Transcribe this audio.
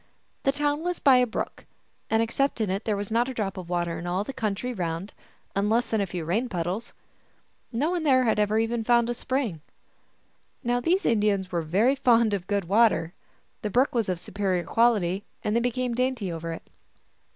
The town was by a brook, and except in it there was not a drop of water in all the country round, unless in a few rain puddles. No one there had ever found even a spring. Now these Indians were very fond of good water. The brook was of a superior quality, and they be came dainty over it.